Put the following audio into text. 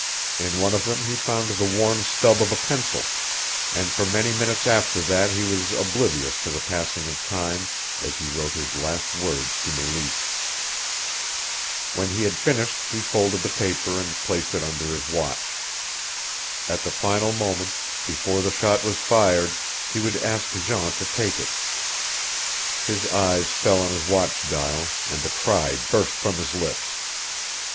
In one of them he found the worn stub of a pencil, and for many minutes after that he was oblivious to the passing of time as he wrote his last words to Meleese. When he had finished he folded the paper and placed it under his watch. At the final moment, before the shot was fired, he would ask Jean to take it. His eyes fell on his watch dial and a cry burst from his lips.